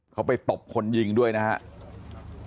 เขาไปตบคนยิงด้วยนะครับ